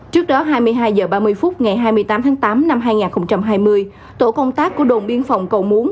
trước đó hai mươi hai h ba mươi phút ngày hai mươi tám tháng tám năm hai nghìn hai mươi tổ công tác của đồn biên phòng cầu muốn